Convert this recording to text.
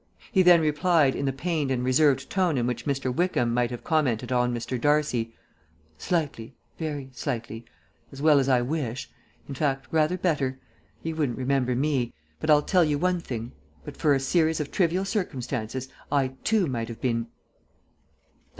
He then replied, in the pained and reserved tone in which Mr. Wickham might have commented upon Mr. Darcy, "Slightly. Very slightly. As well as I wish. In fact, rather better. He wouldn't remember me. But I'll tell you one thing. But for a series of trivial circumstances, I too might have been